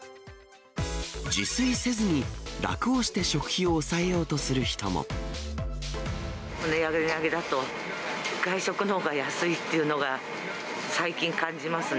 自炊せずに楽をして食費を抑値上げ値上げだと、外食のほうが安いというのが、最近感じますね。